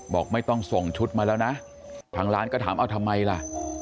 บอกไม่ต้องส่งชุดมาแล้วนะทางร้านก็ถามเอาทำไมล่ะ